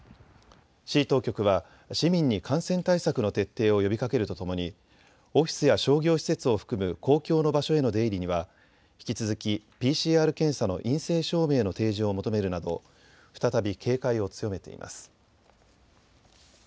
市当局は市民に感染対策の徹底を呼びかけるとともにオフィスや商業施設を含む公共の場所への出入りには引き続きＰＣＲ検査の陰性証明の提示を求めるなど再び警戒を強めています。